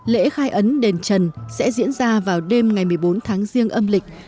lễ khai ấn đền trần sẽ diễn ra vào đêm ngày một mươi bốn tháng riêng âm lịch